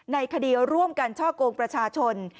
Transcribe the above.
ในคดีร่วมกันช่อกงประชาชน